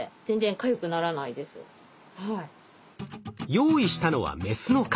用意したのはメスの蚊。